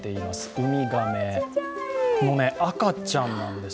ウミガメの赤ちゃんなんです。